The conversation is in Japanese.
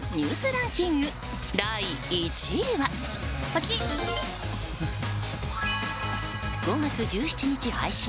ランキング第１位は、５月１７日配信。